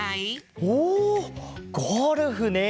おっゴルフね。